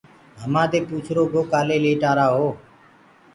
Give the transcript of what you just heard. همآ دي پوڇرو گو ڪآلي ليٽ آرآ هو۔